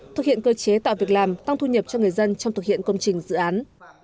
thực hiện cơ chế tạo việc làm tăng thu nhập cho người dân trong thực hiện công trình dự án